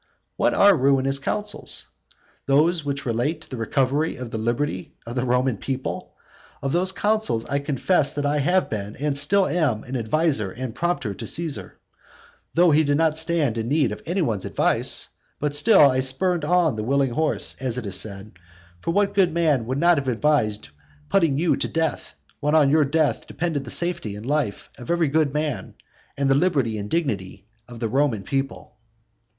What are ruinous counsels? those which relate to the recovery of the liberty of the Roman people? Of those counsels I confess that I have been and still am an adviser and prompter to Caesar. Although he did not stand in need of any one's advice, but still I spurned on the willing horse, as it is said. For what good man would not have advised putting you to death, when on your death depended the safety and life of every good man, and the liberty and dignity of the Roman people?